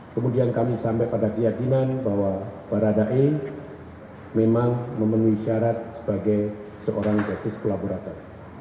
kemudian kami sampai pada keyakinan bahwa baradae memang memenuhi syarat sebagai seorang justice collaborator